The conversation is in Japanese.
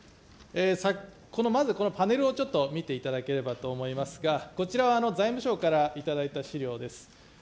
このまず、このパネルを見ていただければと思いますが、こちらは財務省から頂いた資料です。